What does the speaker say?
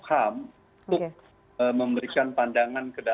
yang mengadvokasi isi